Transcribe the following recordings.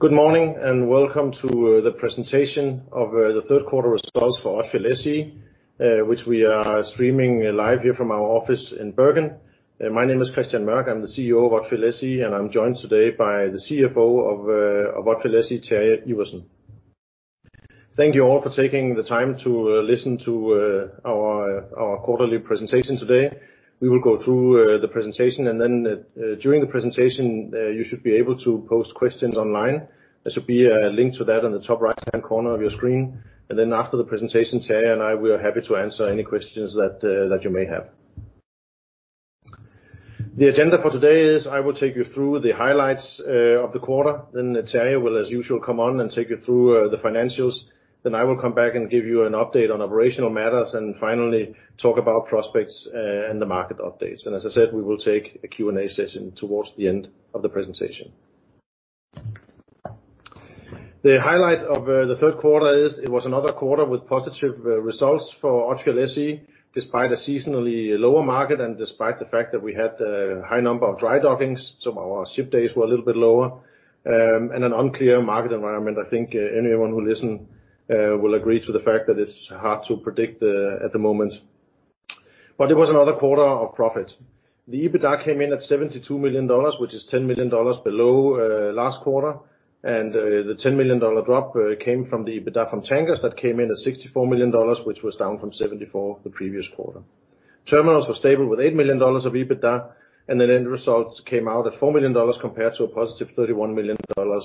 Good morning, and welcome to the presentation of the third quarter results for Odfjell SE, which we are streaming live here from our office in Bergen. My name is Kristian Mørch. I'm the CEO of Odfjell SE, and I'm joined today by the CFO of Odfjell SE, Terje Iversen. Thank you all for taking the time to listen to our quarterly presentation today. We will go through the presentation, and then during the presentation, you should be able to post questions online. There should be a link to that on the top right-hand corner of your screen. After the presentation, Terje and I, we are happy to answer any questions that you may have. The agenda for today is I will take you through the highlights of the quarter, then Terje will, as usual, come on and take you through the financials. I will come back and give you an update on operational matters and finally talk about prospects and the market updates. As I said, we will take a Q&A session towards the end of the presentation. The highlight of the third quarter is it was another quarter with positive results for Odfjell SE, despite a seasonally lower market and despite the fact that we had a high number of dry dockings, so our ship days were a little bit lower. In an unclear market environment, I think anyone who listens will agree to the fact that it's hard to predict at the moment. It was another quarter of profit. The EBITDA came in at $72 million, which is $10 million below last quarter, and the $10 million drop came from the EBITDA from tankers that came in at $64 million, which was down from $74 the previous quarter. Terminals were stable with $8 million of EBITDA, and the end results came out at $4 million compared to a $+31 million in the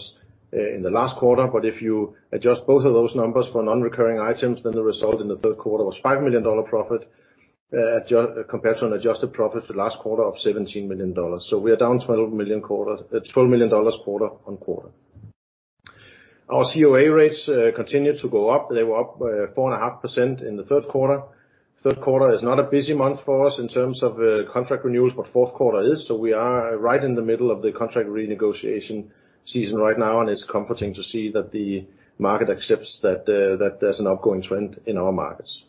last quarter. If you adjust both of those numbers for non-recurring items, then the result in the third quarter was a $5 million profit compared to an adjusted profit the last quarter of $17 million. We are down $12 million quarter-on-quarter. Our COA rates continued to go up. They were up 4.5% in the third quarter. Third quarter is not a busy month for us in terms of contract renewals, but fourth quarter is. We are right in the middle of the contract renegotiation season right now, and it's comforting to see that the market accepts that there's an ongoing trend in our markets.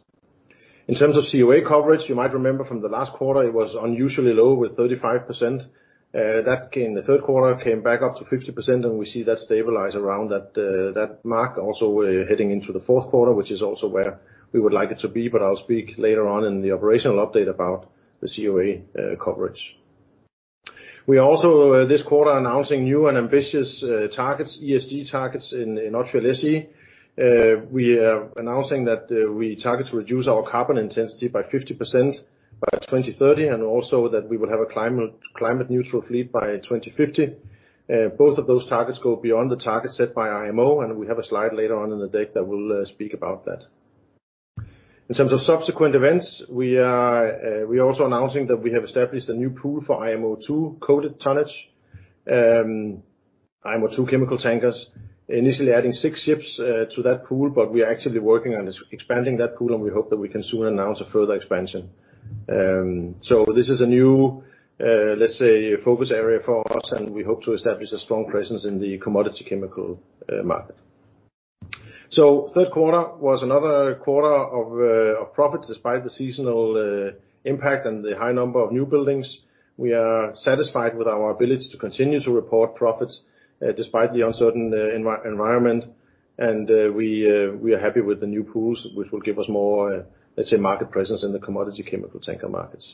In terms of COA coverage, you might remember from the last quarter, it was unusually low with 35%. That in the third quarter came back up to 50%, and we see that stabilize around that mark. We're heading into the fourth quarter, which is also where we would like it to be, but I'll speak later on in the operational update about the COA coverage. We are also this quarter announcing new and ambitious targets, ESG targets in Odfjell SE. We are announcing that we target to reduce our carbon intensity by 50% by 2030, and also that we will have a climate neutral fleet by 2050. Both of those targets go beyond the target set by IMO, and we have a slide later on in the deck that will speak about that. In terms of subsequent events, we are also announcing that we have established a new pool for IMO 2 coated tonnage, IMO 2 chemical tankers, initially adding six ships to that pool, but we are actively working on expanding that pool, and we hope that we can soon announce a further expansion. This is a new focus area for us, and we hope to establish a strong presence in the commodity chemical market. The third quarter was another quarter of profits despite the seasonal impact and the high number of new buildings. We are satisfied with our ability to continue to report profits despite the uncertain environment. We are happy with the new pools, which will give us more, let's say, market presence in the commodity chemical tanker markets.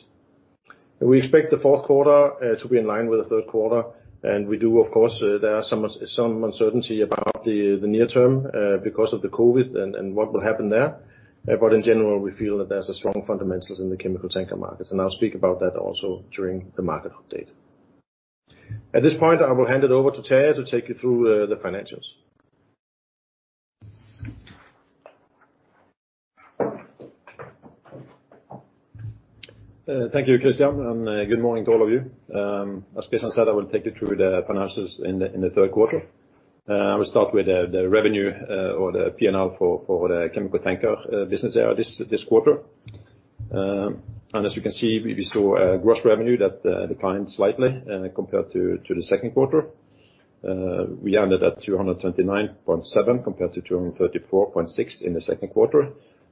We expect the fourth quarter to be in line with the third quarter, and we do of course, there are some uncertainty about the near term because of the COVID-19 and what will happen there. In general, we feel that there's a strong fundamentals in the chemical tanker markets, and I'll speak about that also during the market update. At this point, I will hand it over to Terje to take you through the financials. Thank you, Kristian, and good morning to all of you. As Kristian said, I will take you through the financials in the third quarter. I will start with the revenue or the P&L for the chemical tanker business area this quarter. As you can see, we saw a gross revenue that declined slightly compared to the second quarter. We ended at $229.7 compared to $234.6 in the second quarter.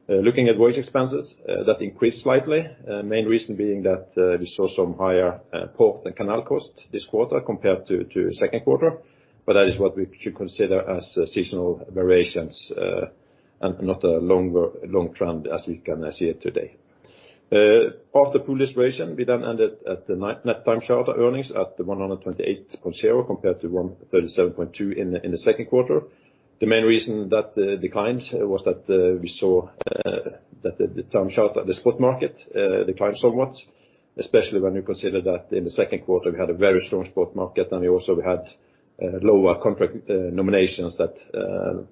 Looking at voyage expenses, that increased slightly. Main reason being that we saw some higher port and canal costs this quarter compared to second quarter, but that is what we should consider as seasonal variations and not a long trend as you can see it today. After pool distribution, we ended at the net time charter earnings at $128.0 compared to $137.2 in the second quarter. The main reason that declined was that we saw that the time charter, the spot market declined somewhat, especially when you consider that in the second quarter we had a very strong spot market and we also had lower contract nominations that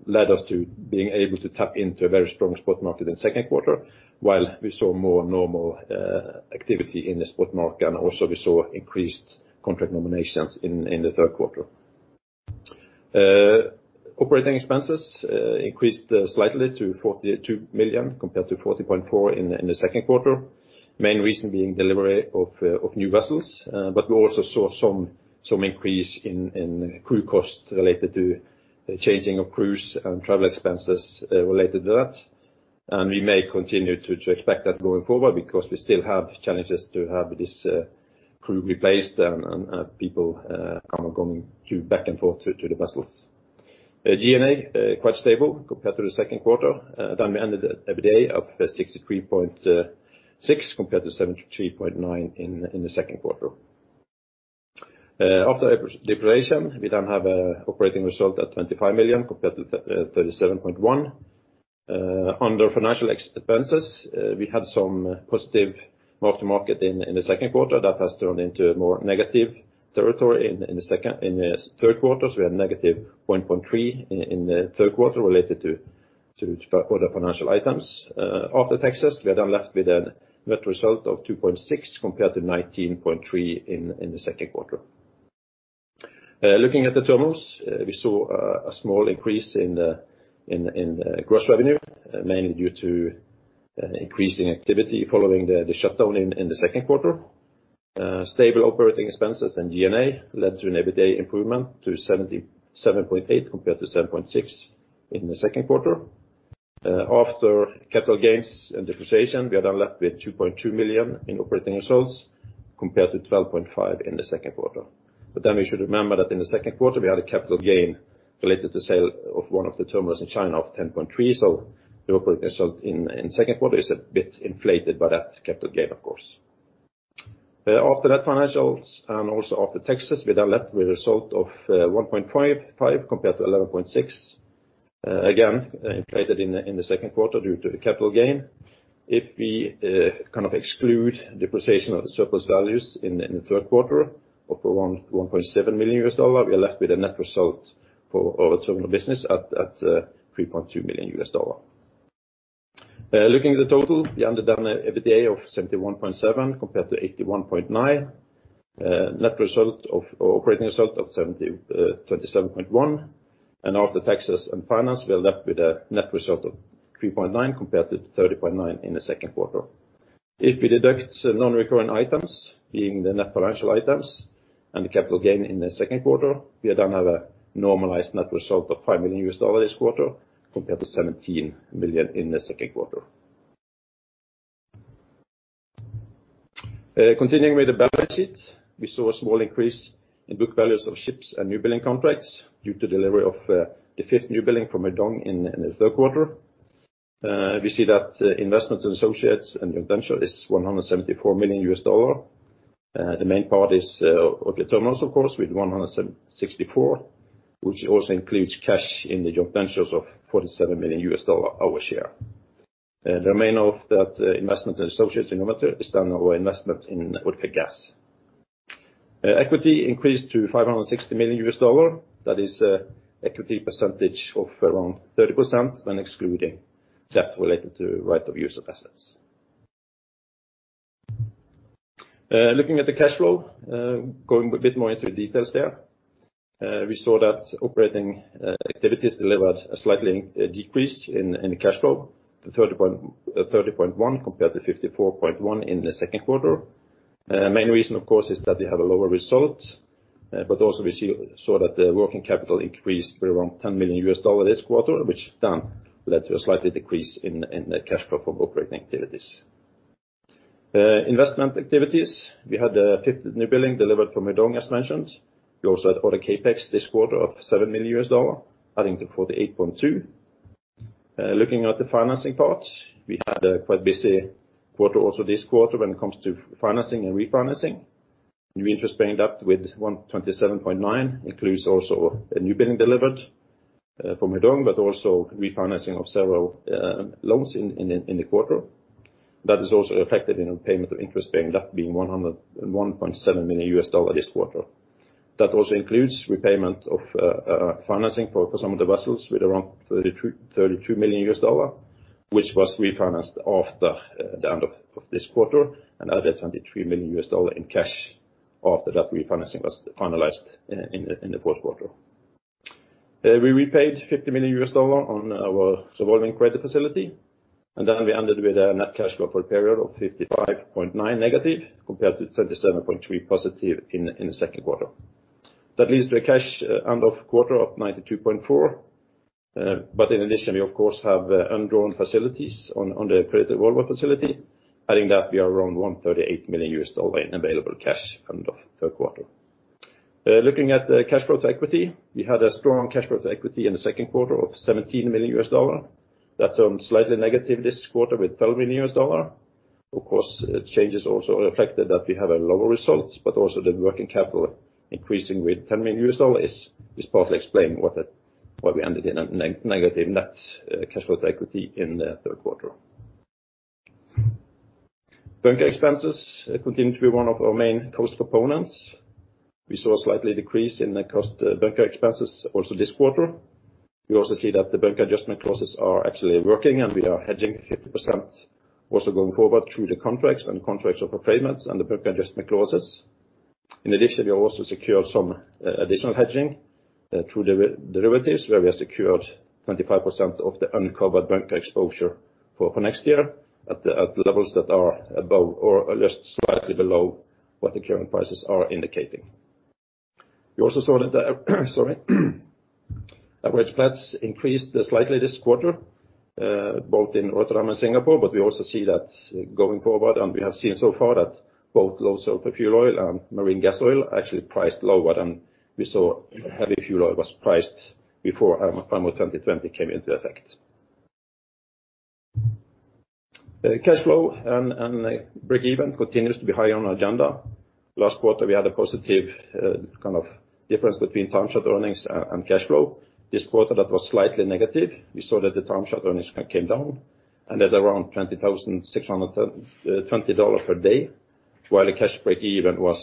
led us to being able to tap into a very strong spot market in the second quarter. While we saw more normal activity in the spot market, and also we saw increased contract nominations in the third quarter. Operating expenses increased slightly to $42 million compared to $40.4 million in the second quarter, main reason being delivery of new vessels, but we also saw some increase in crew costs related to changing of crews and travel expenses related to that. We may continue to expect that going forward because we still have challenges to have this crew replaced and people coming back and forth to the vessels. G&A, quite stable compared to the second quarter. We ended the EBITDA of $63.6 compared to $73.9 in the second quarter. After depreciation, we then have an operating result at $25 million compared to $37.1. Under financial expenses, we had some positive mark-to-market in the second quarter that has turned into a more negative territory in the third quarter. We had negative $1.3 in the third quarter related to other financial items. After taxes, we are then left with a net result of $2.6 compared to $19.3 in the second quarter. Looking at the terminals, we saw a small increase in the gross revenue, mainly due to increasing activity following the shutdown in the second quarter. Stable operating expenses and G&A led to an EBITDA improvement to $7.8 compared to $7.6 in the second quarter. After capital gains and depreciation, we are then left with $2.2 million in operating results compared to $12.5 million in the second quarter. We should remember that in the second quarter, we had a capital gain related to sale of one of the terminals in China of $10.3 million, so the operating result in second quarter is a bit inflated by that capital gain, of course. After that, financials and also after taxes, we are then left with a result of $1.55 million compared to $11.6 million. Again, inflated in the second quarter due to the capital gain. If we exclude depreciation of the surplus values in the third quarter of around $1.7 million, we are left with a net result for our terminal business at $3.2 million. Looking at the total, we ended the EBITDA of $71.7 million compared to $81.9 million. Operating result of $27.1. After taxes and finance, we are left with a net result of $3.9 compared to $30.9 in the second quarter. If we deduct non-recurring items, being the net financial items and the capital gain in the second quarter, we have a normalized net result of $5 million this quarter, compared to $17 million in the second quarter. Continuing with the balance sheet, we saw a small increase in book values of ships and new building contracts due to delivery of the fifth new building from Hudong in the third quarter. We see that investments in associates and joint venture is $174 million. The main part is Odfjell Terminals, of course, with $164, which also includes cash in the joint ventures of $47 million our share. The remain of that investment in associates in Odfjell is done by our investment in Odfjell Gas. Equity increased to $560 million. That is equity percentage of around 30% when excluding debt related to right-of-use assets. Looking at the cash flow, going a bit more into details there. We saw that operating activities delivered a slight decrease in cash flow to $30.1 compared to $54.1 in the second quarter. Main reason, of course, is that we have a lower result, but also we saw that the working capital increased by around $10 million this quarter, which then led to a slight decrease in the cash flow from operating activities. Investment activities. We had the fifth new building delivered from Hudong, as mentioned. We also had other CapEx this quarter of $7 million, adding to $48.2. Looking at the financing part, we had a quite busy quarter also this quarter when it comes to financing and refinancing. Net interest-bearing debt with $127.9 includes also a new building delivered from Hudong, also refinancing of several loans in the quarter. That is also reflected in payment of net interest-bearing debt being $101.7 million this quarter. That also includes repayment of financing for some of the vessels with around $32 million, which was refinanced after the end of this quarter and added $23 million in cash after that refinancing was finalized in the fourth quarter. We repaid $50 million on our revolving credit facility, we ended with a net cash flow for period of $-55.9 negative compared to $37.3+ in the second quarter. That leaves the cash end of quarter of $92.4. In addition, we of course have undrawn facilities on the revolving credit facility. Adding that we are around $138 million in available cash end of third quarter. Looking at the cash flow to equity, we had a strong cash flow to equity in the second quarter of $17 million. That turned slightly negative this quarter with $12 million. Of course, changes also reflected that we have a lower result, but also the working capital increasing with $10 million is partly explaining why we ended in a negative net cash flow to equity in the third quarter. bunker expenses continue to be one of our main cost components. We saw a slight decrease in the cost bunker expenses also this quarter. We also see that the bunker adjustment clauses are actually working, and we are hedging 50% also going forward through the contracts and contracts of performance and the bunker adjustment clauses. In addition, we also secured some additional hedging through derivatives, where we have secured 25% of the uncovered bunker exposure for next year at levels that are above or just slightly below what the current prices are indicating. You also saw that average Platts increased slightly this quarter, both in Rotterdam and Singapore. We also see that going forward, and we have seen so far that both low sulfur fuel oil and marine gas oil actually priced lower than we saw heavy fuel oil was priced before IMO 2020 came into effect. Cash flow and break-even continues to be high on our agenda. Last quarter, we had a positive difference between timeshare earnings and cash flow. This quarter, that was slightly negative. We saw that the timeshare earnings came down and at around $20,620 per day, while the cash break-even was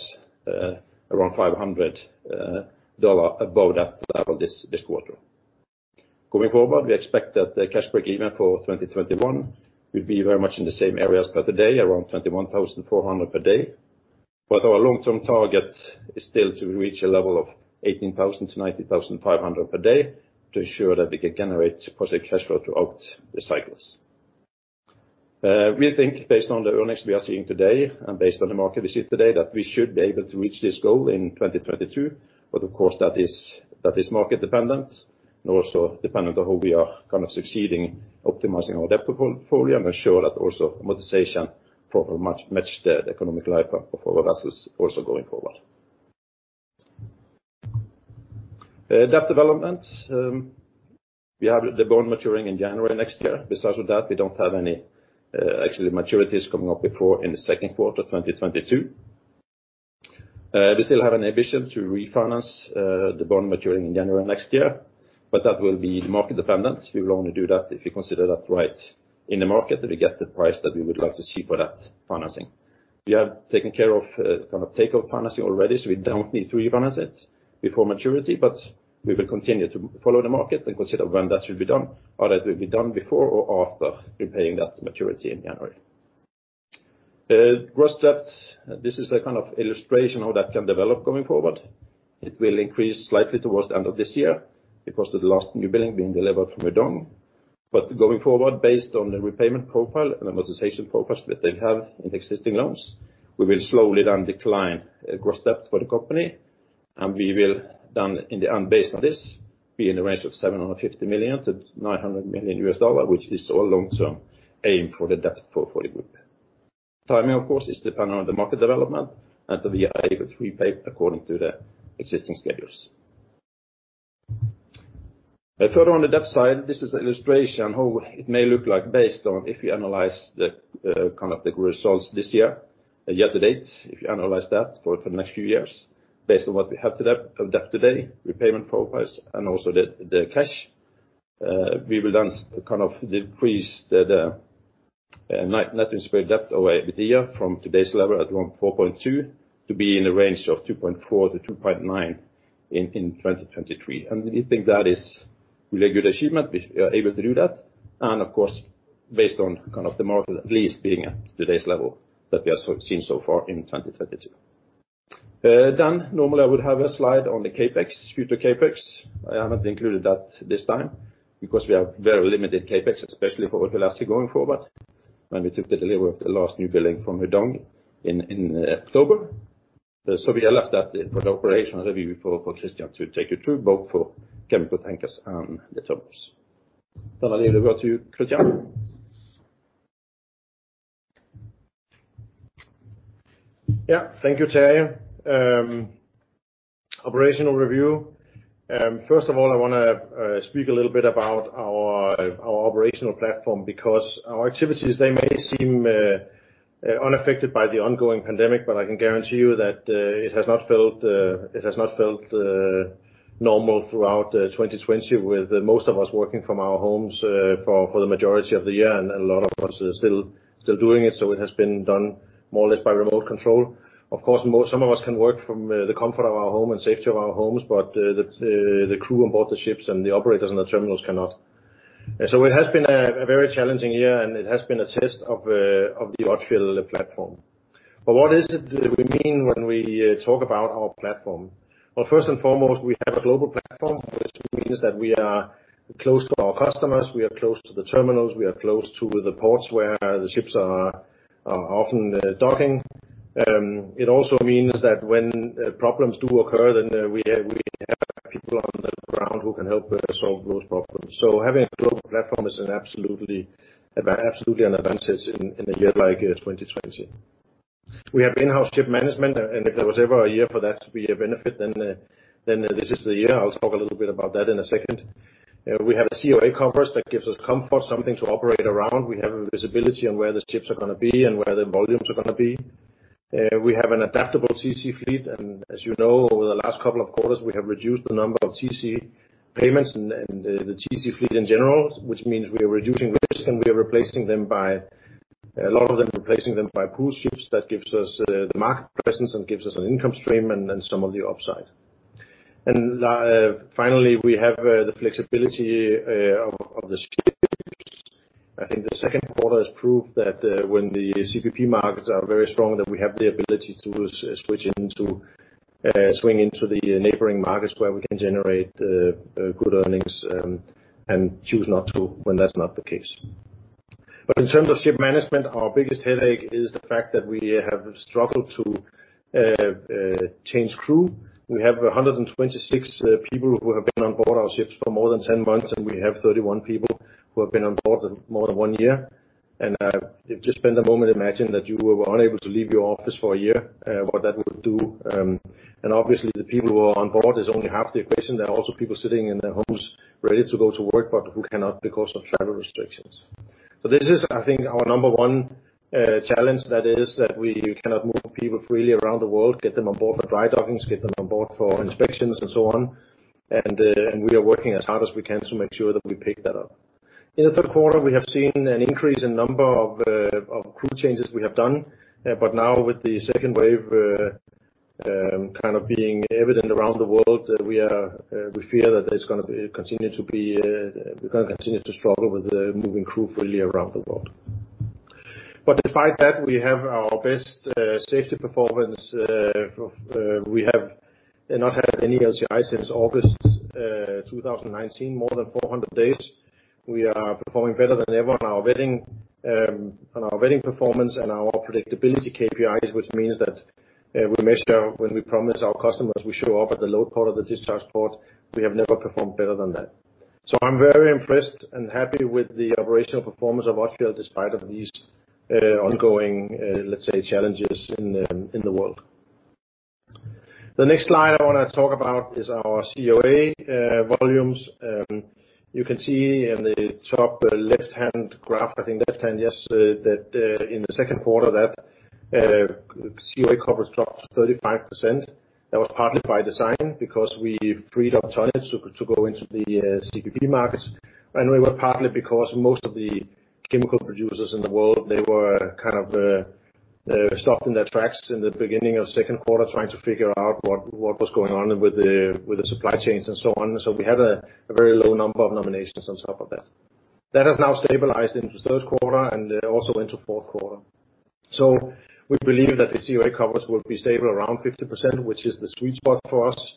around $500 above that level this quarter. Going forward, we expect that the cash break-even for 2021 will be very much in the same area as per today, around $21,400 per day. Our long-term target is still to reach a level of $18,000 to $19,500 per day to ensure that we can generate positive cash flow throughout the cycles. We think based on the earnings we are seeing today and based on the market we see today, that we should be able to reach this goal in 2022. Of course, that is market dependent and also dependent on how we are succeeding optimizing our debt portfolio and ensure that also monetization for much match the economic life of our vessels also going forward. Debt development. We have the bond maturing in January next year. Besides that, we don't have any actually maturities coming up before in the second quarter 2022. We still have an ambition to refinance the bond maturing in January next year, but that will be market dependent. We will only do that if we consider that right in the market that we get the price that we would like to see for that financing. We have taken care of take-off financing already, so we don't need to refinance it before maturity, but we will continue to follow the market and consider when that should be done, or that will be done before or after repaying that maturity in January. Gross debt. This is an illustration of how that can develop going forward. It will increase slightly towards the end of this year because of the last new building being delivered from Hudong. Going forward, based on the repayment profile and the monetization progress that they have in existing loans, we will slowly then decline gross debt for the company, and we will then, in the end, based on this, be in the range of $750 million-$900 million, which is our long-term aim for the debt for the group. Timing, of course, is dependent on the market development and that we are able to repay according to the existing schedules. Further on the debt side, this is an illustration how it may look like based on if we analyze the results this year yet to date. If we analyze that for the next few years based on what we have today, our debt today, repayment profiles, and also the cash, we will then decrease the net interest-bearing debt away with the year from today's level at around 4.2 to be in the range of 2.4-2.9 in 2023. We think that is really a good achievement if we are able to do that. Of course, based on the market at least being at today's level that we have seen so far in 2022. Normally I would have a slide on the future CapEx. I haven't included that this time because we have very limited CapEx, especially for Odfjell SE going forward when we took the delivery of the last new building from Hudong in October. We have left that for the operational review for Kristian to take you through, both for chemical tankers and the terminals. I leave it over to you, Kristian. Yeah. Thank you, Terje. Operational review. First of all, I want to speak a little bit about our operational platform because our activities, they may seem unaffected by the ongoing pandemic, but I can guarantee you that it has not felt normal throughout 2020 with most of us working from our homes for the majority of the year, and a lot of us are still doing it. It has been done more or less by remote control. Of course, some of us can work from the comfort of our home and safety of our homes, but the crew onboard the ships and the operators on the terminals cannot. It has been a very challenging year, and it has been a test of the Odfjell platform. What is it that we mean when we talk about our platform? First and foremost, we have a global platform, which means that we are close to our customers, we are close to the terminals, we are close to the ports where the ships are often docking. It also means that when problems do occur, then we have people on the ground who can help solve those problems. Having a global platform is absolutely an advantage in a year like 2020. We have in-house ship management, and if there was ever a year for that to be a benefit, then this is the year. I will talk a little bit about that in a second. We have a COA cover that gives us comfort, something to operate around. We have a visibility on where the ships are going to be and where the volumes are going to be. We have an adaptable TC fleet, and as you know, over the last couple of quarters, we have reduced the number of TC payments and the TC fleet in general, which means we are reducing risk and we are replacing them by pool ships that gives us the market presence and gives us an income stream and some of the upside. Finally, we have the flexibility of the ships. I think the second quarter has proved that when the CPP markets are very strong, that we have the ability to swing into the neighboring markets where we can generate good earnings and choose not to when that's not the case. In terms of ship management, our biggest headache is the fact that we have struggled to change crew. We have 126 people who have been on board our ships for more than 10 months, and we have 31 people who have been on board more than one year. If you just spend a moment, imagine that you were unable to leave your office for a year, what that would do. Obviously the people who are on board is only half the equation. There are also people sitting in their homes ready to go to work, but who cannot because of travel restrictions. This is, I think, our number one challenge. That is that we cannot move people freely around the world, get them on board for dry dockings, get them on board for inspections and so on. We are working as hard as we can to make sure that we pick that up. In the third quarter, we have seen an increase in number of crew changes we have done. Now with the second wave being evident around the world, we fear that we're going to continue to struggle with moving crew freely around the world. Despite that, we have our best safety performance. We have not had any LTIs since August 2019, more than 400 days. We are performing better than ever on our vetting performance and our predictability KPIs, which means that we measure when we promise our customers we show up at the load port or the discharge port. We have never performed better than that. I'm very impressed and happy with the operational performance of Odfjell despite of these ongoing, let's say, challenges in the world. The next slide I want to talk about is our COA volumes. You can see in the top left-hand graph, I think left-hand, yes, that in the second quarter that COA coverage dropped to 35%. That was partly by design because we freed up tonnage to go into the CPP markets, and we were partly because most of the chemical producers in the world, they were kind of stopped in their tracks in the beginning of second quarter trying to figure out what was going on with the supply chains and so on. We had a very low number of nominations on top of that. That has now stabilized into third quarter and also into fourth quarter. We believe that the COA coverage will be stable around 50%, which is the sweet spot for us.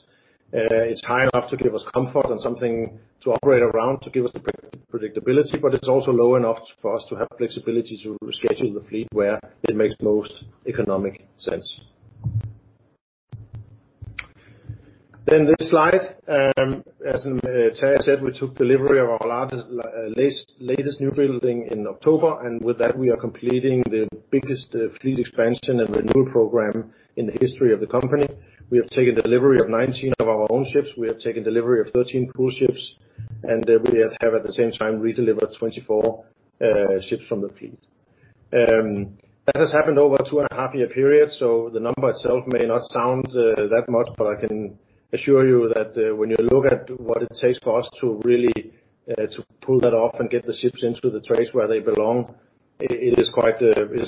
It's high enough to give us comfort and something to operate around to give us predictability. It's also low enough for us to have flexibility to schedule the fleet where it makes most economic sense. This slide, as Terje said, we took delivery of our latest new building in October. With that, we are completing the biggest fleet expansion and renewal program in the history of the company. We have taken delivery of 19 of our own ships, we have taken delivery of 13 crew ships, and we have at the same time redelivered 24 ships from the fleet. That has happened over a two-and-a-half year period, so the number itself may not sound that much, but I can assure you that when you look at what it takes for us to really pull that off and get the ships into the trades where they belong, it is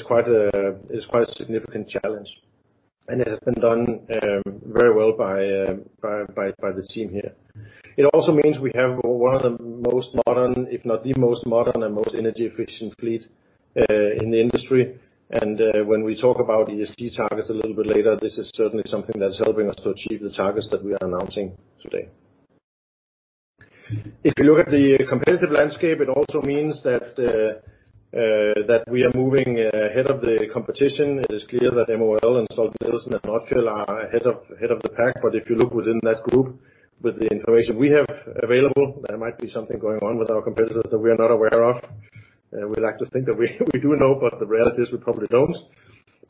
quite a significant challenge. It has been done very well by the team here. It also means we have one of the most modern, if not the most modern and most energy efficient fleet in the industry. When we talk about ESG targets a little bit later, this is certainly something that's helping us to achieve the targets that we are announcing today. If you look at the competitive landscape, it also means that we are moving ahead of the competition. It is clear that MOL and Stolt-Nielsen and Odfjell are ahead of the pack. If you look within that group, with the information we have available, there might be something going on with our competitors that we are not aware of. We like to think that we do know, but the reality is we probably don't.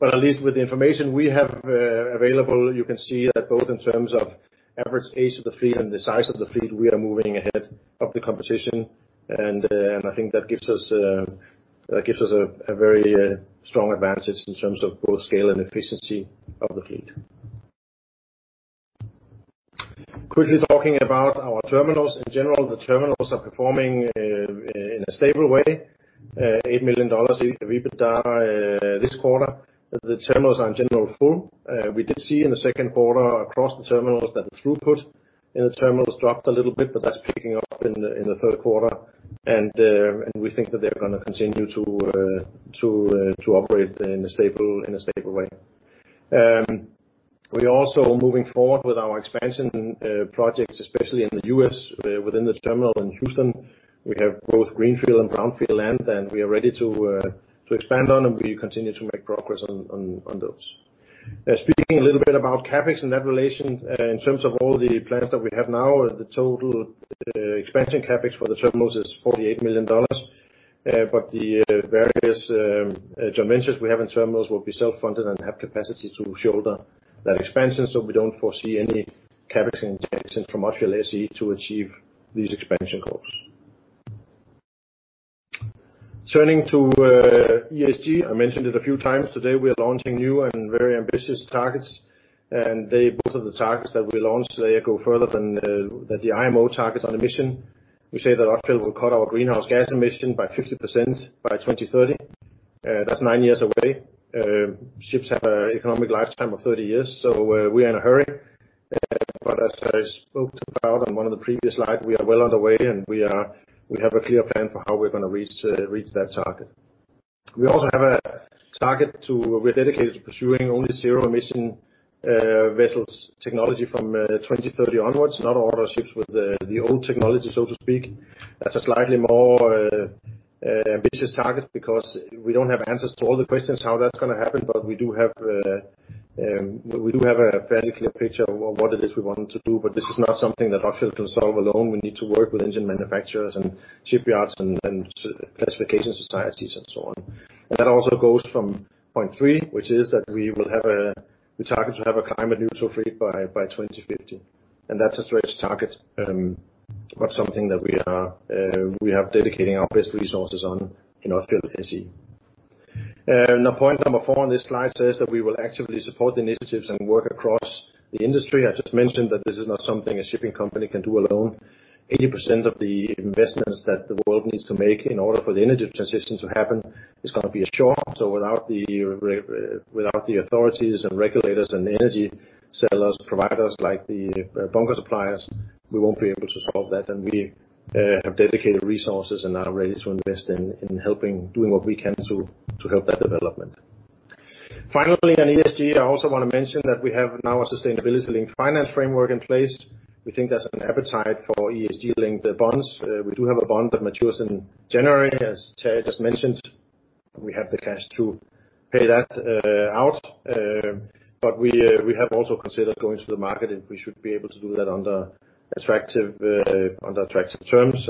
At least with the information we have available, you can see that both in terms of average age of the fleet and the size of the fleet, we are moving ahead of the competition. I think that gives us a very strong advantage in terms of both scale and efficiency of the fleet. Quickly talking about our terminals. In general, the terminals are performing in a stable way. $8 million in EBITDA this quarter. The terminals are in general full. We did see in the second quarter across the terminals that the throughput in the terminals dropped a little bit, but that's picking up in the third quarter, and we think that they're going to continue to operate in a stable way. We are also moving forward with our expansion projects, especially in the U.S. Within the terminal in Houston, we have both greenfield and brownfield land that we are ready to expand on, and we continue to make progress on those. Speaking a little bit about CapEx in that relation, in terms of all the plans that we have now, the total expansion CapEx for the terminals is $48 million. The various joint ventures we have in terminals will be self-funded and have capacity to shoulder that expansion. We don't foresee any CapEx from Odfjell SE to achieve these expansion goals. Turning to ESG, I mentioned it a few times today. We are launching new and very ambitious targets. Both of the targets that we launch today go further than the IMO targets on emission. We say that Odfjell will cut our greenhouse gas emission by 50% by 2030. That's nine years away. Ships have an economic lifetime of 30 years, so we're in a hurry. As I spoke about on one of the previous slides, we are well underway, and we have a clear plan for how we're going to reach that target. We're dedicated to pursuing only zero emission vessels technology from 2030 onwards, not order ships with the old technology, so to speak. That's a slightly more ambitious target because we don't have answers to all the questions how that's going to happen. We do have a fairly clear picture of what it is we want to do. This is not something that Odfjell can solve alone. We need to work with engine manufacturers and shipyards and classification societies and so on. That also goes from point three, which is that we target to have a climate neutral fleet by 2050. That's a stretch target, but something that we are dedicating our best resources on in Odfjell SE. Now, point number four on this slide says that we will actively support initiatives and work across the industry. I just mentioned that this is not something a shipping company can do alone. 80% of the investments that the world needs to make in order for the energy transition to happen is going to be ashore. Without the authorities and regulators and energy sellers, providers like the bunker suppliers, we won't be able to solve that. We have dedicated resources and are ready to invest in helping doing what we can to help that development. Finally, on ESG, I also want to mention that we have now a sustainability linked finance framework in place. We think there's an appetite for ESG linked bonds. We do have a bond that matures in January, as Terje just mentioned. We have the cash to pay that out. We have also considered going to the market, and we should be able to do that under attractive terms.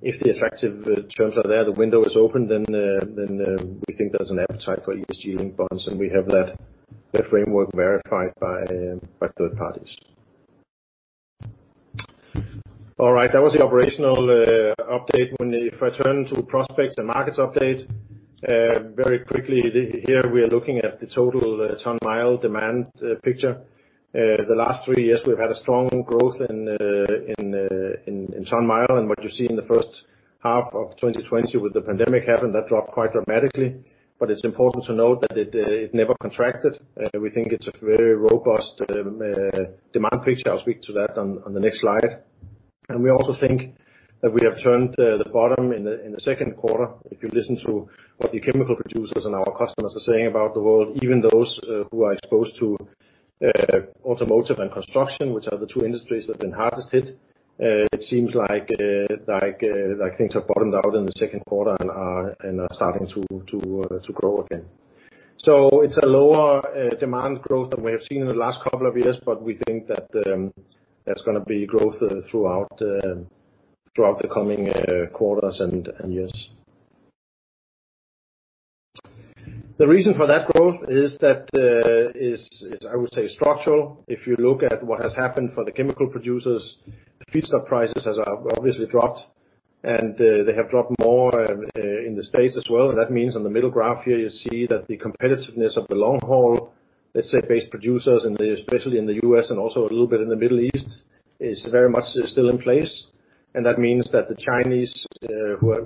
If the attractive terms are there, the window is open, then we think there's an appetite for ESG linked bonds, and we have that framework verified by third parties. All right. That was the operational update. If I turn to prospects and markets update. Very quickly here we are looking at the total ton-mile demand picture. The last three years we've had a strong growth in ton-mile. What you see in the first half of 2020 with the pandemic happened, that dropped quite dramatically. It's important to note that it never contracted. We think it's a very robust demand picture. I'll speak to that on the next slide. We also think that we have turned the bottom in the second quarter. If you listen to what the chemical producers and our customers are saying about the world, even those who are exposed to automotive and construction, which are the two industries that have been hardest hit it seems like things have bottomed out in the second quarter and are starting to grow again. It's a lower demand growth than we have seen in the last couple of years, but we think that there's going to be growth throughout the coming quarters and years. The reason for that growth is that, I would say structural. If you look at what has happened for the chemical producers, the feedstock prices have obviously dropped, and they have dropped more in the States as well. That means on the middle graph here, you see that the competitiveness of the long haul, let's say, base producers, especially in the U.S. and also a little bit in the Middle East, is very much still in place. That means that the Chinese,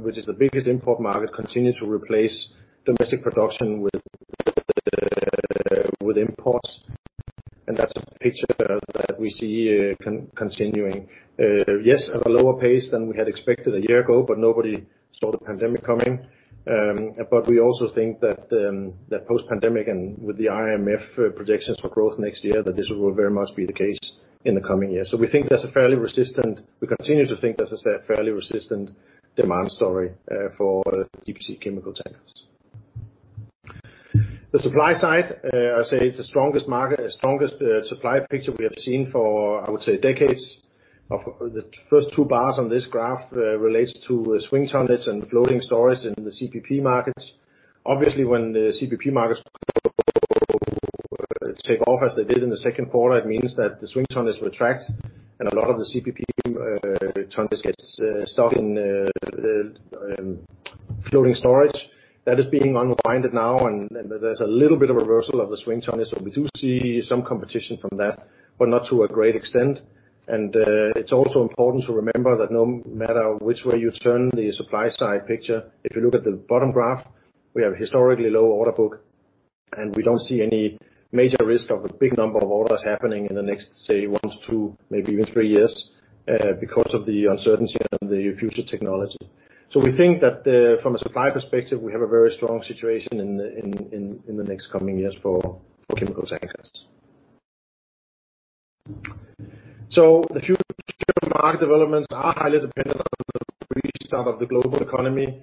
which is the biggest import market, continue to replace domestic production with imports. That's a picture that we see continuing. Yes, at a lower pace than we had expected a year ago, but nobody saw the pandemic coming. We also think that post pandemic and with the IMF projections for growth next year, that this will very much be the case in the coming years. We continue to think, as I said, fairly resistant demand story for deep sea chemical tankers. The supply side, I say the strongest supply picture we have seen for, I would say, decades. The first two bars on this graph relates to swing tonnage and floating storage in the CPP markets. Obviously, when the CPP markets take off as they did in the second quarter, it means that the swing tonnage retract and a lot of the CPP tonnage gets stuck in floating storage. That is being unwinded now. There's a little bit of reversal of the swing tonnage. We do see some competition from that, not to a great extent. It's also important to remember that no matter which way you turn the supply side picture, if you look at the bottom graph, we have historically low order book, and we don't see any major risk of a big number of orders happening in the next, say, one to two, maybe even three years because of the uncertainty around the future technology. We think that from a supply perspective, we have a very strong situation in the next coming years for chemical tankers. The future market developments are highly dependent on the restart of the global economy.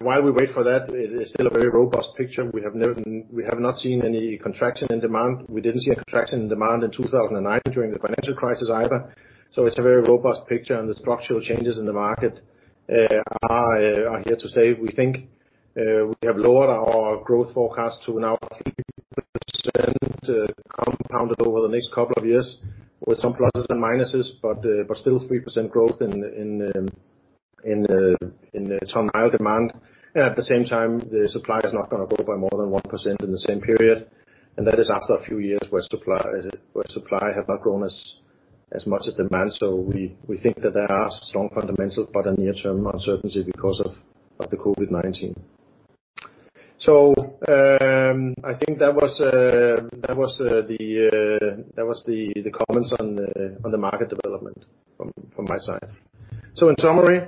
While we wait for that, it is still a very robust picture. We have not seen any contraction in demand. We didn't see a contraction in demand in 2009 during the financial crisis either. It's a very robust picture, and the structural changes in the market are here to stay, we think. We have lowered our growth forecast to now 3% compounded over the next couple of years with some pluses and minuses, but still 3% growth in the ton-mile demand. At the same time, the supply is not going to grow by more than 1% in the same period. That is after a few years where supply has not grown as much as demand. We think that there are strong fundamentals, but a near-term uncertainty because of the COVID-19. I think those were the comments on the market development from my side. In summary,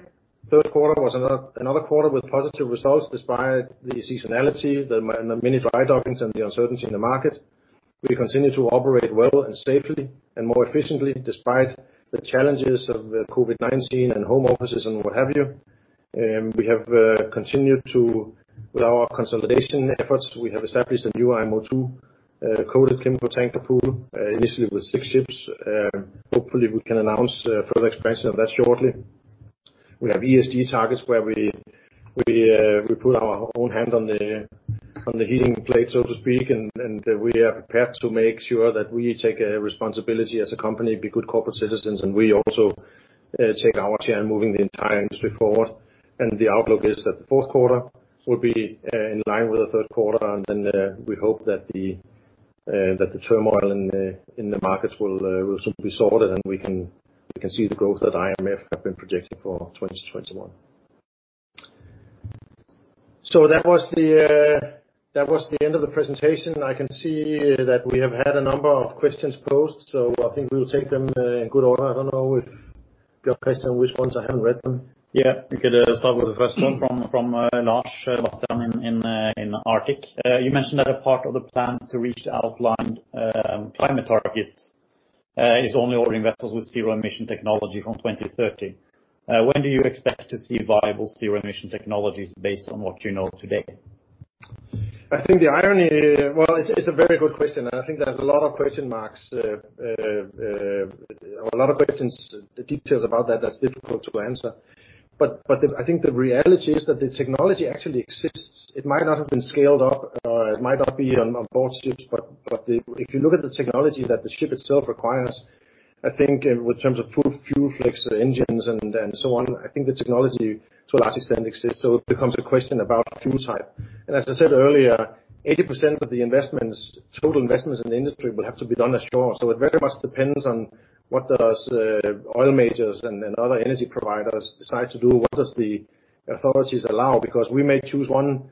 third quarter was another quarter with positive results despite the seasonality, the many dry dockings, and the uncertainty in the market. We continue to operate well and safely and more efficiently despite the challenges of COVID-19 and home offices and what have you. We have continued with our consolidation efforts. We have established a new IMO2 coated chemical tanker pool, initially with six ships. Hopefully, we can announce further expansion of that shortly. We have ESG targets where we put our own hand on the heating plate, so to speak. We are prepared to make sure that we take responsibility as a company, be good corporate citizens, and we also take our turn moving the entire industry forward. The outlook is that the fourth quarter will be in line with the third quarter. We hope that the turmoil in the markets will soon be sorted, and we can see the growth that IMF have been projecting for 2021. That was the end of the presentation. I can see that we have had a number of questions posed. I think we'll take them in good order. I don't know if you have questions. Which ones? I haven't read them. Yeah, we could start with the first one from Lars Bastian in Arctic. You mentioned that a part of the plan to reach outlined climate targets is only ordering vessels with zero emission technology from 2030. When do you expect to see viable zero emission technologies based on what you know today? Well, it's a very good question. I think there's a lot of question marks or a lot of questions, the details about that's difficult to answer. I think the reality is that the technology actually exists. It might not have been scaled up or it might not be on board ships, but if you look at the technology that the ship itself requires, I think in terms of proof, fuel flex engines and so on, I think the technology to a large extent exists. It becomes a question about fuel type. As I said earlier, 80% of the total investments in the industry will have to be done ashore. It very much depends on what does oil majors and other energy providers decide to do. What does the authorities allow? We may choose one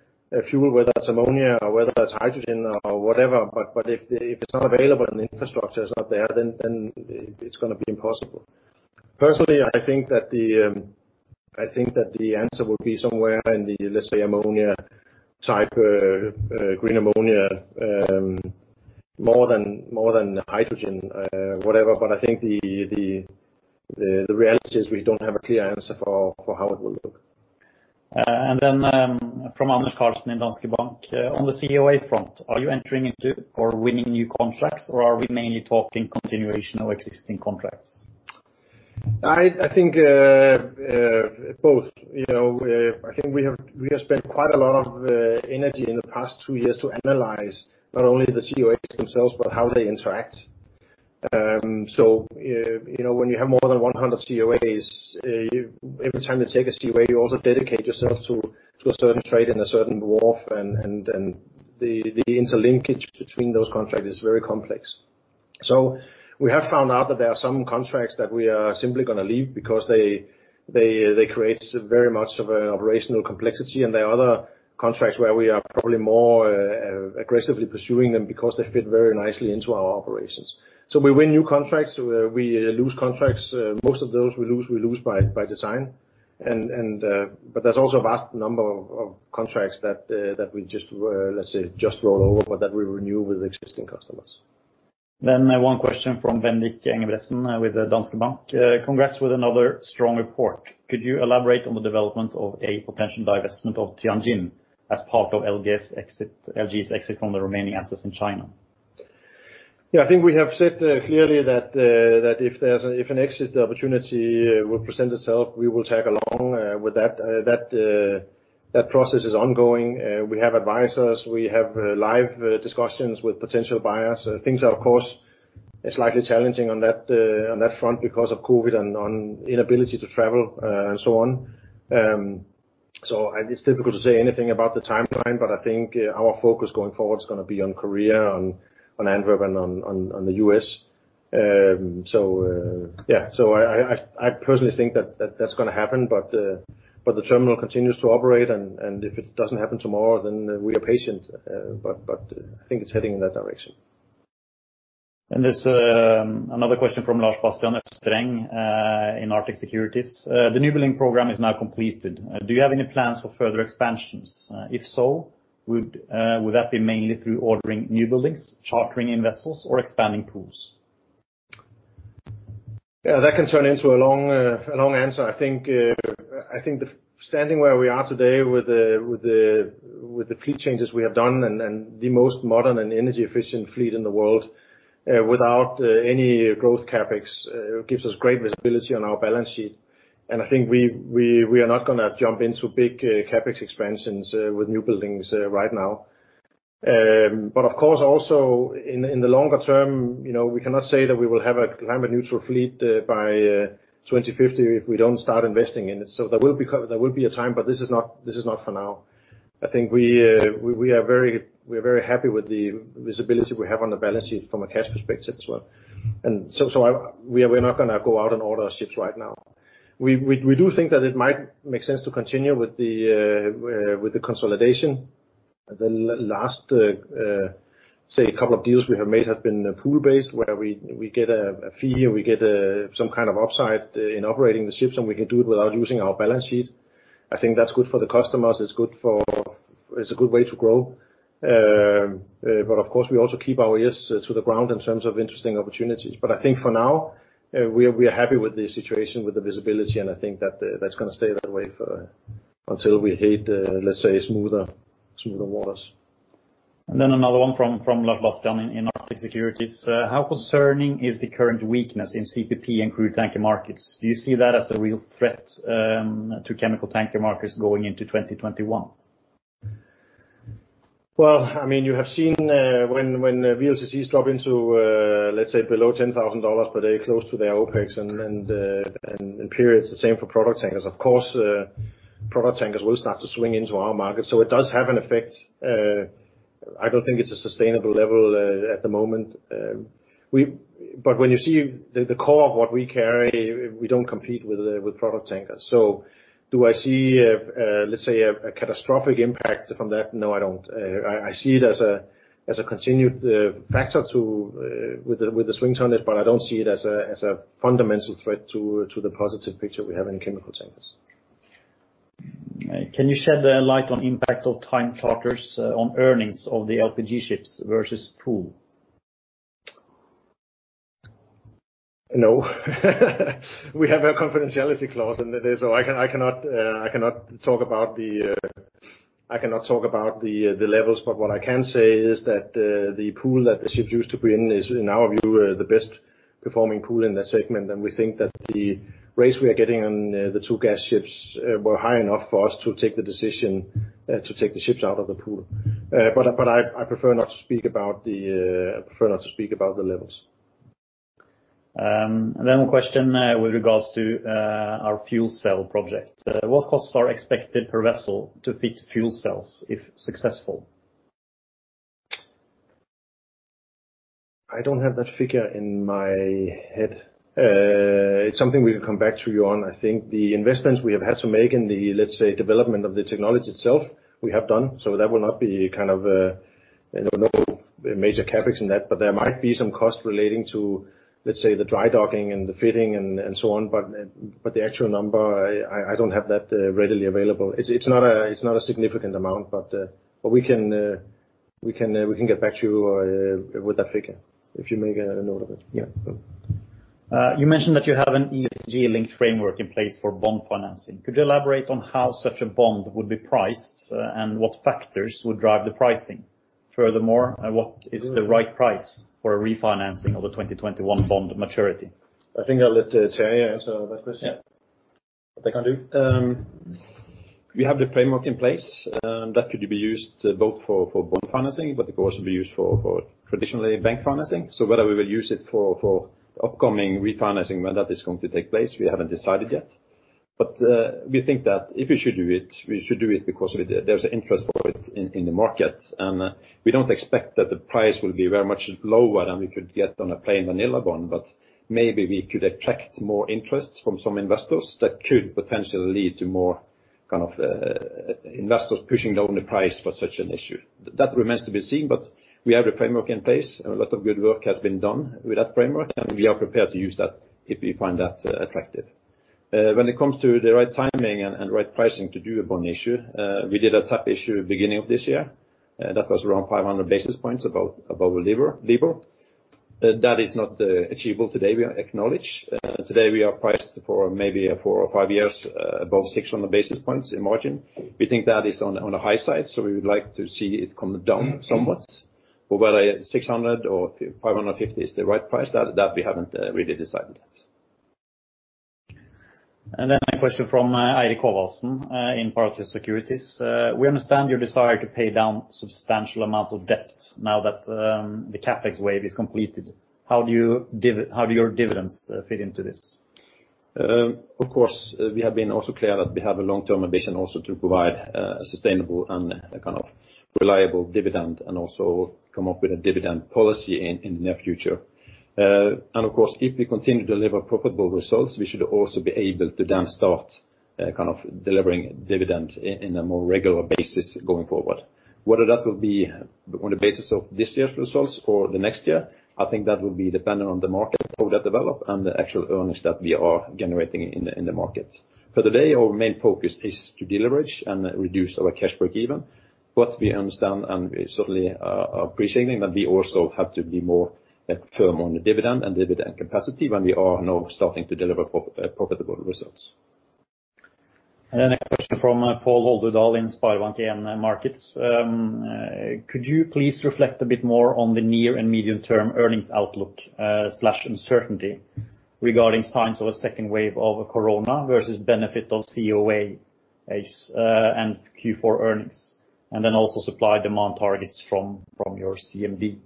fuel, whether that's ammonia or whether that's hydrogen or whatever, but if it's not available and the infrastructure is not there, then it's going to be impossible. Personally, I think that the answer will be somewhere in the, let's say, ammonia type, green ammonia, more than hydrogen, whatever. I think the reality is we don't have a clear answer for how it will look. From Anders Karlsen in Danske Bank. On the COA front, are you entering into or winning new contracts or are we mainly talking continuation of existing contracts? I think both. I think we have spent quite a lot of energy in the past two years to analyze not only the COAs themselves, but how they interact. When you have more than 100 COAs, every time you take a COA, you also dedicate yourself to a certain trade and a certain wharf, and the interlinkage between those contracts is very complex. We have found out that there are some contracts that we are simply going to leave because they create very much of an operational complexity. There are other contracts where we are probably more aggressively pursuing them because they fit very nicely into our operations. We win new contracts, we lose contracts. Most of those we lose, we lose by design. There's also a vast number of contracts that we just roll over, but that we renew with existing customers. One question from Bendik Folden Nyttingnes with Danske Bank. Congrats with another strong report. Could you elaborate on the development of a potential divestment of Tianjin as part of LG's exit from the remaining assets in China? I think we have said clearly that if an exit opportunity will present itself, we will tag along with that. That process is ongoing. We have advisors, we have live discussions with potential buyers. Things are, of course, slightly challenging on that front because of COVID-19 and inability to travel, and so on. It's difficult to say anything about the timeline, but I think our focus going forward is going to be on Korea, on Antwerp, and on the U.S. I personally think that that's going to happen, but the terminal continues to operate, and if it doesn't happen tomorrow, then we are patient. I think it's heading in that direction. There's another question from Lars Bastian Østereng in Arctic Securities. The new building program is now completed. Do you have any plans for further expansions? If so, would that be mainly through ordering new buildings, chartering in vessels or expanding pools? Yeah, that can turn into a long answer. I think, standing where we are today with the fleet changes we have done and the most modern and energy efficient fleet in the world without any growth CapEx gives us great visibility on our balance sheet. I think we are not going to jump into big CapEx expansions with new buildings right now. Of course, also in the longer term, we cannot say that we will have a climate neutral fleet by 2050 if we don't start investing in it. There will be a time, but this is not for now. I think we are very happy with the visibility we have on the balance sheet from a cash perspective as well. We're not going to go out and order ships right now. We do think that it might make sense to continue with the consolidation. The last, say, couple of deals we have made have been pool-based, where we get a fee, or we get some kind of upside in operating the ships, and we can do it without using our balance sheet. I think that's good for the customers. It's a good way to grow. Of course, we also keep our ears to the ground in terms of interesting opportunities. I think for now, we are happy with the situation, with the visibility, and I think that's going to stay that way until we hit, let's say, smoother waters. Another one from Lars-Daniel Westby in Arctic Securities. How concerning is the current weakness in CPP and crude tanker markets? Do you see that as a real threat to chemical tanker markets going into 2021? Well, you have seen when VLCCs drop into, let's say, below $10,000 per day, close to their OPEX and periods the same for product tankers. Of course, product tankers will start to swing into our market. It does have an effect. I don't think it's a sustainable level at the moment. When you see the core of what we carry, we don't compete with product tankers. Do I see, let's say, a catastrophic impact from that? No, I don't. I see it as a continued factor with the swing tonnage, but I don't see it as a fundamental threat to the positive picture we have in chemical tankers. Can you shed light on impact of time charters on earnings of the LPG ships versus pool? No. We have a confidentiality clause in it. I cannot talk about the levels. What I can say is that the pool that the ships used to be in is, in our view, the best performing pool in that segment, and we think that the rates we are getting on the two gas ships were high enough for us to take the decision to take the ships out of the pool. I prefer not to speak about the levels. A question with regards to our fuel cell project. What costs are expected per vessel to fit fuel cells if successful? I don't have that figure in my head. It's something we can come back to you on. I think the investments we have had to make in the, let's say, development of the technology itself, we have done. That will not be a major CapEx in that, but there might be some cost relating to, let's say, the dry docking and the fitting and so on. The actual number, I don't have that readily available. It's not a significant amount, but we can get back to you with that figure if you make a note of it. Yeah. You mentioned that you have an ESG link framework in place for bond financing. Could you elaborate on how such a bond would be priced and what factors would drive the pricing? Furthermore, what is the right price for a refinancing of a 2021 bond maturity? I think I'll let Terje answer that question. Yeah. I can do. We have the framework in place that could be used both for bond financing, but it could also be used for traditional bank financing. Whether we will use it for upcoming refinancing, when that is going to take place, we haven't decided yet. We think that if we should do it, we should do it because there's interest for it in the market. We don't expect that the price will be very much lower than we could get on a plain vanilla bond, but maybe we could attract more interest from some investors that could potentially lead to more investors pushing down the price for such an issue. That remains to be seen. We have the framework in place and a lot of good work has been done with that framework, and we are prepared to use that if we find that attractive. When it comes to the right timing and right pricing to do a bond issue, we did a tap issue beginning of this year, that was around 500 basis points above LIBOR. That is not achievable today, we acknowledge. Today, we are priced for maybe four or five years above 600 basis points in margin. We think that is on the high side. We would like to see it come down somewhat. Whether 600 or 550 is the right price, that we haven't really decided yet. A question from Eirik Haavaldsen in Pareto Securities. We understand your desire to pay down substantial amounts of debt now that the CapEx wave is completed. How do your dividends fit into this? Of course, we have been also clear that we have a long-term ambition also to provide a sustainable and a kind of reliable dividend and also come up with a dividend policy in the near future. Of course, if we continue to deliver profitable results, we should also be able to then start kind of delivering dividend in a more regular basis going forward. Whether that will be on the basis of this year's results or the next year, I think that will be dependent on the market, how that develop and the actual earnings that we are generating in the market. For today, our main focus is to deleverage and reduce our cash break-even. We understand and we certainly are appreciating that we also have to be more firm on the dividend and dividend capacity when we are now starting to deliver profitable results. A question from Pål Ringholm in SpareBank 1 Markets. Could you please reflect a bit more on the near and medium-term earnings outlook/uncertainty regarding signs of a second wave of COVID-19 versus benefit of COA and Q4 earnings, and then also supply demand targets from your CMD?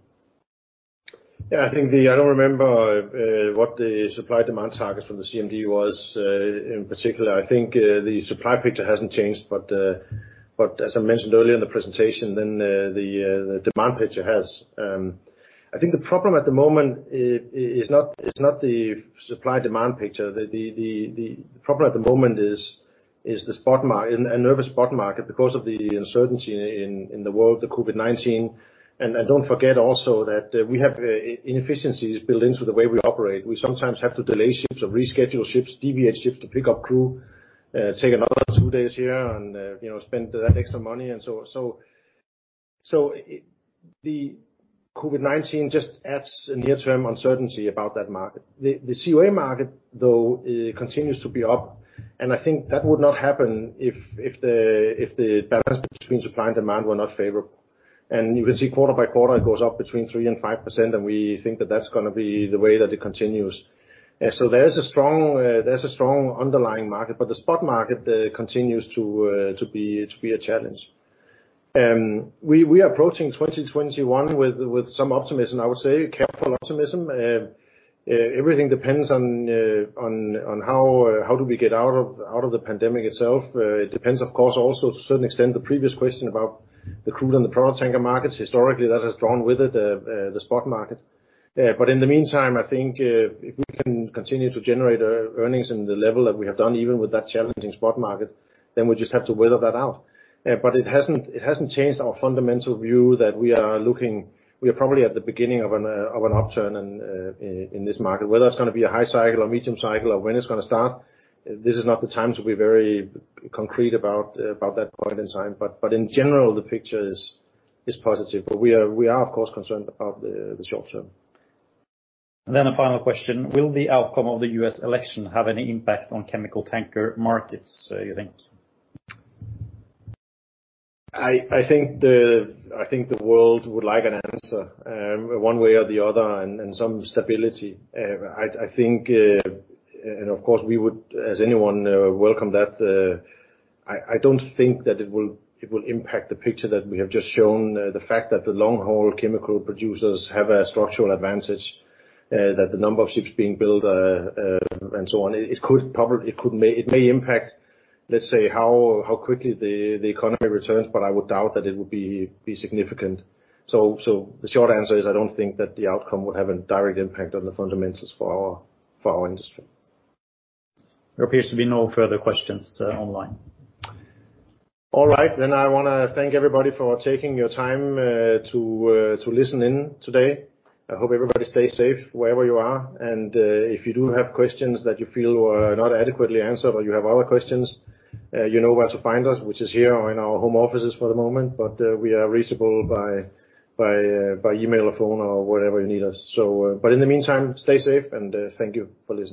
Yeah, I don't remember what the supply demand target from the CMD was in particular. I think the supply picture hasn't changed. As I mentioned earlier in the presentation, the demand picture has. I think the problem at the moment is not the supply demand picture. The problem at the moment is the spot market, a nervous spot market because of the uncertainty in the world, the COVID-19. Don't forget also that we have inefficiencies built into the way we operate. We sometimes have to delay ships or reschedule ships, deviate ships to pick up crew, take another two days here and spend that extra money and so on. The COVID-19 just adds a near-term uncertainty about that market. The COA market, though, continues to be up, and I think that would not happen if the balance between supply and demand were not favorable. You can see quarter by quarter, it goes up between 3% and 5%, and we think that's going to be the way that it continues. There's a strong underlying market, but the spot market continues to be a challenge. We are approaching 2021 with some optimism, I would say careful optimism. Everything depends on how do we get out of the pandemic itself. It depends, of course, also to a certain extent, the previous question about the crude and the product tanker markets. Historically, that has drawn with it the spot market. In the meantime, I think if we can continue to generate earnings in the level that we have done, even with that challenging spot market, then we just have to weather that out. It hasn't changed our fundamental view that we are probably at the beginning of an upturn in this market, whether it's going to be a high cycle or medium cycle, or when it's going to start. This is not the time to be very concrete about that point in time. In general, the picture is positive. We are, of course, concerned about the short term. A final question. Will the outcome of the U.S. election have any impact on chemical tanker markets, you think? I think the world would like an answer, one way or the other, and some stability. I think, and of course we would, as anyone, welcome that. I don't think that it will impact the picture that we have just shown. The fact that the long-haul chemical producers have a structural advantage, that the number of ships being built and so on. It may impact, let's say, how quickly the economy returns, but I would doubt that it would be significant. The short answer is I don't think that the outcome would have a direct impact on the fundamentals for our industry. There appears to be no further questions online. All right. I want to thank everybody for taking your time to listen in today. I hope everybody stays safe wherever you are. If you do have questions that you feel were not adequately answered or you have other questions, you know where to find us, which is here or in our home offices for the moment. We are reachable by email or phone or wherever you need us. In the meantime, stay safe, and thank you for listening.